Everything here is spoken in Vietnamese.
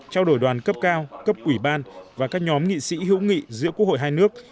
trao đổi đoàn cấp cao cấp ủy ban và các nhóm nghị sĩ hữu nghị giữa quốc hội hai nước